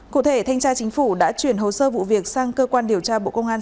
cụ thể thanh tra chính phủ đã chuyển hồ sơ vụ việc sang cơ quan điều tra bộ công an